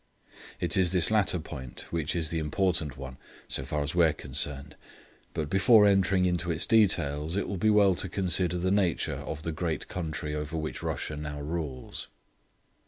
It is this latter point which is the important one, so far as we are concerned, but before entering into its details, it will be well to consider the nature of the great country over which Russia now rules.